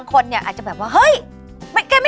ก็อาจจะต้องมี